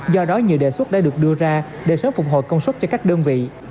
do đó nhiều đề xuất đã được đưa ra để sớm phục hồi công suất cho các đơn vị